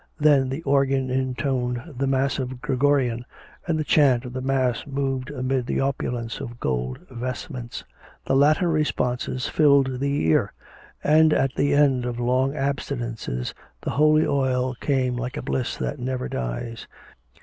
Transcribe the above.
Then the organ intoned the massive Gregorian, and the chant of the mass moved amid the opulence of gold vestments; the Latin responses filled the ear; and at the end of long abstinences the holy oil came like a bliss that never dies.